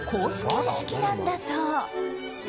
形式なんだそう。